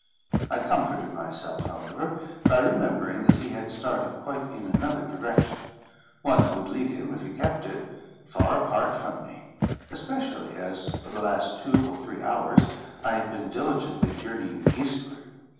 I comforted myself, however, by remembering that he had started quite in another direction; one that would lead him, if he kept it, far apart from me; especially as, for the last two or three hours, I had been diligently journeying eastward.